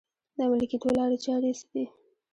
د عملي کېدو لارې چارې یې څه دي؟